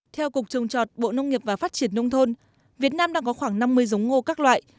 theo cục trồng trọt bộ nông nghiệp và phát triển nông thôn việt nam đang có khoảng năm mươi giống ngô các loại